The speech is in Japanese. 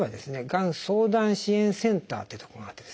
がん相談支援センターっていうとこがあってですね